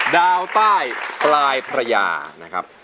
ดาวใต้ปลายพระยานะครับ